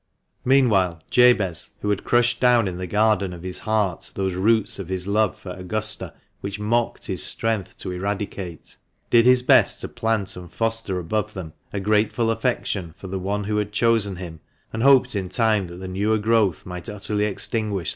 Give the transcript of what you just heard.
Meanwhile Jabez, who had crushed down in the garden of his heart those roots of his love for Augusta which mocked his strength to eradicate, did his best to plant and foster above them a grateful affection for the one who had chosen him, and hoped in time that the newer growth might utterly extinguish THE MANCHESTER MAN.